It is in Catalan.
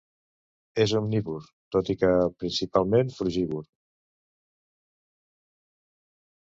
És omnívor, tot i que principalment frugívor.